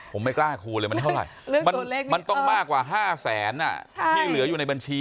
ผมไม่กล้าคูณเลยมันเท่าไหร่มันต้องมากกว่า๕แสนที่เหลืออยู่ในบัญชี